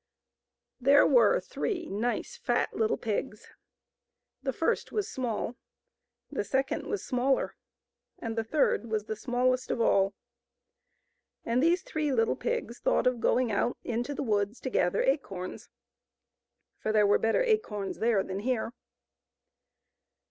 T*>rw>"^1 XIX. HERE were three nice, fat little pigs. The first was small, the second was smaller, and the third was the smallest of all. And these three little pigs thought of going out into the woods to gather acorns, for there were better acorns there than here.